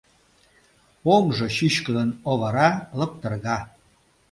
Оҥжо чӱчкыдын овара, лыптырга.